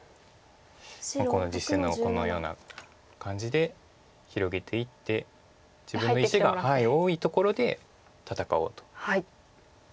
この実戦のこのような感じで広げていって自分の石が多いところで戦おうと。